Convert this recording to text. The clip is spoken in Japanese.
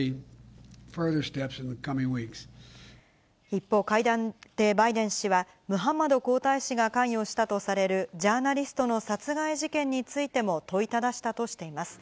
一方、会談でバイデン氏は、ムハンマド皇太子が関与したとされる、ジャーナリストの殺害事件についても問いただしたとしています。